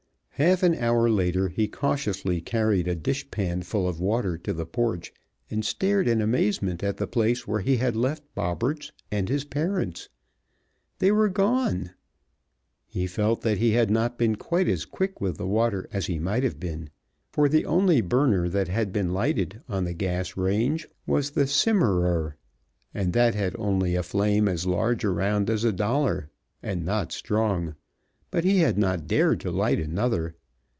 Half an hour later he cautiously carried a dish pan full of water to the porch and stared in amazement at the place where he had left Bobberts and his parents. They were gone! He felt that he had not been quite as quick with the water as he might have been, for the only burner that had been lighted on the gas range was the "simmerer," and that had only a flame as large around as a dollar, and not strong, but he had not dared to light another.